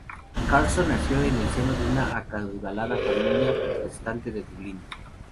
Carson nació en el seno de una acaudalada familia protestante de Dublín.